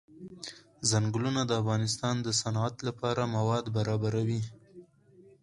ځنګلونه د افغانستان د صنعت لپاره مواد برابروي.